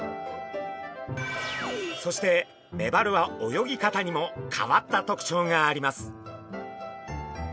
そしてメバルは泳ぎ方にも変わった特徴があります。